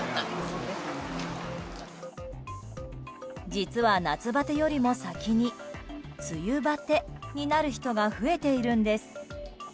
実は、夏バテよりも先に梅雨バテになる人が増えているんです。